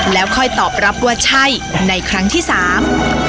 แล้วค่อยตอบรับว่าใช่ในครั้งที่สาม